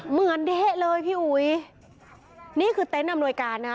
เหมือนเดะเลยพี่อุ๋ยนี่คือเต็นต์อำนวยการนะ